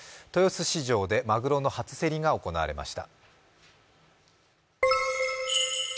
豊洲市場でマグロの初競りが行われました。